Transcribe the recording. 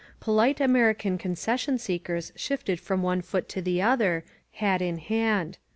Polite American concession seekers shifted from one foot to the other, hat in hand.